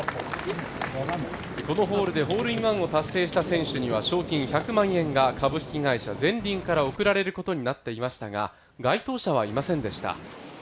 このホールでホールインワンを達成した選手には１００万円が株式会社ゼンリンから贈られることになっていましたが該当者はいませんでした。